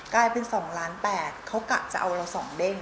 ใกล้เป็นสองล้านแปดเขากะจะเอาเราสองเด้ง